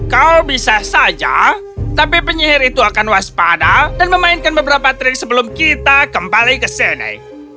kau bisa saja tapi penyihir itu akan waspada dan memainkan beberapa trik sebelum kita kembali ke sini